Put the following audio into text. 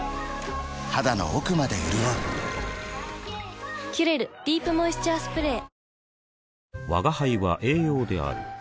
肌の奥まで潤う「キュレルディープモイスチャースプレー」吾輩は栄養である